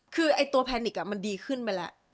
คือไอ้ตัวแพนิกอะมันดีขึ้นไปละ